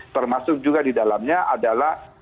termasuk juga di dalamnya adalah